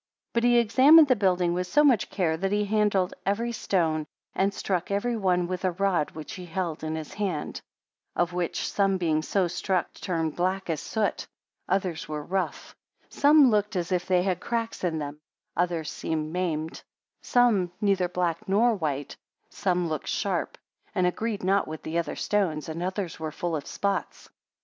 51 But he examined the building with so much care, that he handled every stone; and struck every one with a rod which he held in his hand: 52 Of which some being so struck turned black as soot; others were rough; some looked as if they had cracks in them; others seemed maimed; some neither black nor white; some looked sharp, and agreed not with the other stones, and others were full of spots.